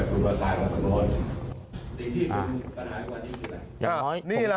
สิ่งที่มีปัญหาให้กว่านี้คืออะไรนี่หรอครับ